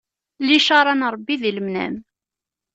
Licaṛa n Ṛebbi di lemnam.